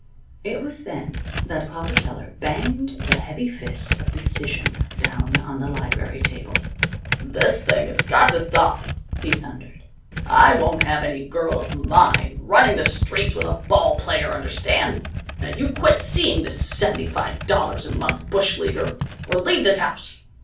It was then that Papa Keller banged the heavy fist of decision down on the library table. "This thing's got to stop!" he thundered. "I won't have any girl of mine running the streets with a ball player, understand? Now you quit seeing this seventy five dollars a month bush leaguer or leave this house.